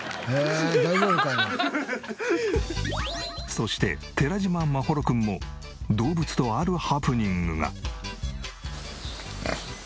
そして寺嶋眞秀君も動物とあるハプニングが。